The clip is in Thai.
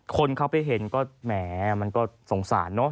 คนเขาไปเห็นก็แหมมันก็สงสารเนอะ